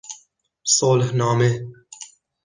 صلحنامه